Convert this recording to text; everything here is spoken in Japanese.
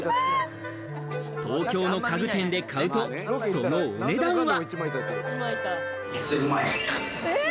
東京の家具店で買うと、そのお値段は。